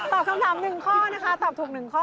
ตอบคำถาม๑ข้อนะคะตอบถูก๑ข้อ